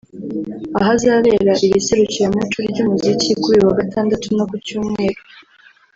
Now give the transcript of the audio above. ahazabera iri serukiramuco ry’umuziki kuri uyu wa Gatandatu no ku Cyumweru